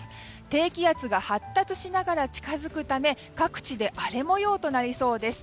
低気圧が発達しながら近づくため各地で荒れ模様となりそうです。